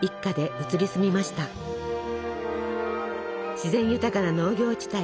自然豊かな農業地帯。